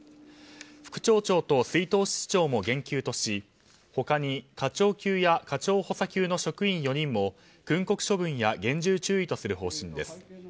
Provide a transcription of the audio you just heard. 副町長と出納室長も減給とし他に課長級や課長補佐級の職員４人も訓告処分や厳重注意とする方針です。